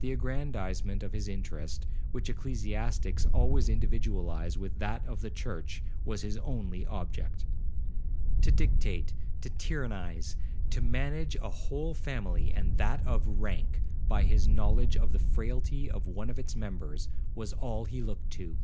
The aggrandizement of his interest, which ecclesiastics always individualize with that of the church, was his only object. To dictate, to tyrannize, to manage a whole family, and that of rank, by his knowledge of the frailty of one of its members, was all he looked to.